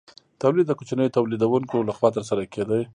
تولید د کوچنیو تولیدونکو لخوا ترسره کیده.